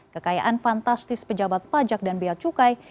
kekayaan fantastis pejabat pajak dan biaya cukai